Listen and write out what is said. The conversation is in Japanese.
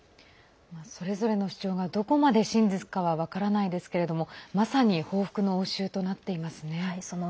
それぞれの主張がどこまで真実か分からないですけれどもまさに報復の応酬となっていますね。